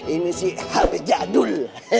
ini si hp jadul